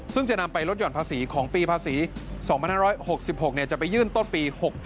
ซึ่งจะนำไปลดห่อนภาษีของปีภาษี๒๕๖๖จะไปยื่นต้นปี๖๗